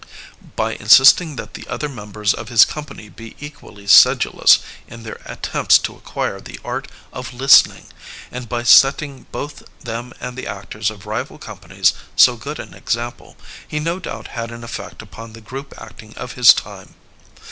By insisting that the other mem bers of his company be equally sedulous in their at tempts to acquire the art Of * listening/' and by setting both them and the actors of rival companies so good an example, he no doubt had an effect upon the group acting of his time.